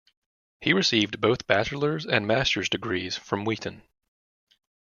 He received both bachelor's and master's degrees from Wheaton.